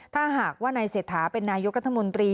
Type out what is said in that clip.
ถ้าหากว่านายเศรษฐาเป็นนายกรัฐมนตรี